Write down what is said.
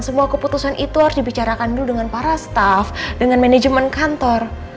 semua keputusan itu harus dibicarakan dulu dengan para staff dengan manajemen kantor